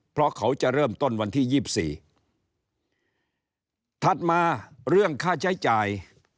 เพราะเขาจะเริ่มต้นวันที่๒๔ถัดมาเรื่องค่าใช้จ่าย